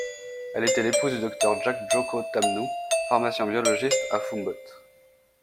Elle était l'épouse du Dr Jacques Djoko Tamnou, pharmacien biologiste à Foumbot.